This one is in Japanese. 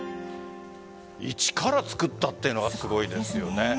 一から作ったっていうのがすごいですよね。